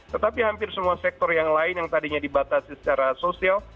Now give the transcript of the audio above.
tetapi hampir semua sektor yang lain yang tadinya dibatasi secara sosial